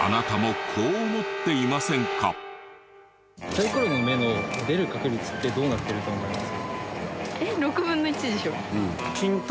サイコロの目の出る確率ってどうなってると思います？